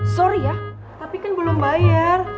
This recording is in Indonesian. sorry ya tapi kan belum bayar